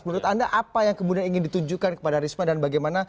menurut anda apa yang kemudian ingin ditunjukkan kepada risma dan bagaimana